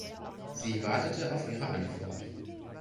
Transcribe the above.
Sie wartete auf ihre Antwort.